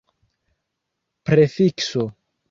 prefikso